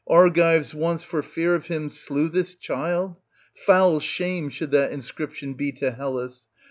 " Argives once for fear of him slew this child !" Foul shame should that inscription be to Hellas.